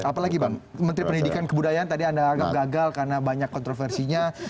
apalagi bang menteri pendidikan kebudayaan tadi anda anggap gagal karena banyak kontroversinya